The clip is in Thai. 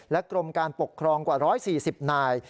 กรมการปกครองกว่า๑๔๐นาย